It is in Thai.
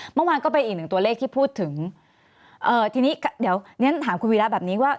เมื่อวานก็เป็นอีกหนึ่งตัวเลขที่พูดถึงเอ่อทีนี้เดี๋ยวฉันถามคุณวีระแบบนี้ว่า